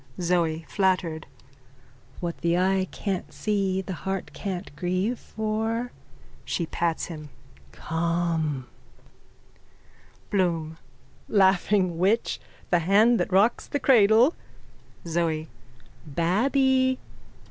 ZOE: (Flattered.) What the eye can't see the heart can't grieve for. (She pats him.) Come. BLOOM: Laughing witch! The hand that rocks the cradle. ZOE: Babby!